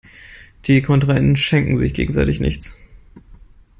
Die Kontrahenten schenken sich gegenseitig nichts.